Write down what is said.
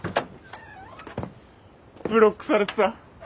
ブロックされてた。